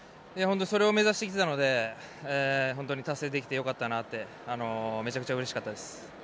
それを目指してきてたので本当に達成できてよかったなってめちゃくちゃうれしかったです。